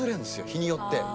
日によって。